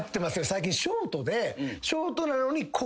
最近ショートで。